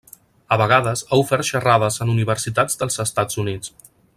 A vegades ha ofert xerrades en universitats dels Estats Units.